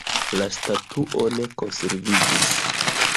La statuo ne konserviĝis.